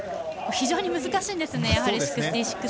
非常に難しいんですよね